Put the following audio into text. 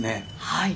はい。